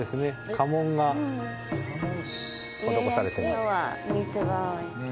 家紋が施されてます。